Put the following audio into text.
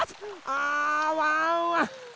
あワンワン